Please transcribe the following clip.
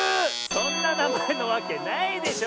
そんななまえなわけないでしょ。